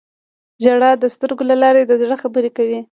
• ژړا د سترګو له لارې د زړه خبرې کوي.